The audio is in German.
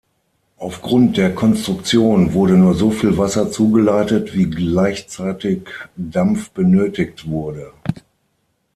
Aufgrund der Konstruktion wurde nur so viel Wasser zugeleitet, wie gleichzeitig Dampf benötigt wurde.